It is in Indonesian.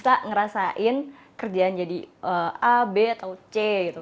saya harus bisa merasakan kerjaan jadi a b atau c